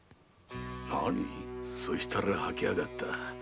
そしたら吐きやがった。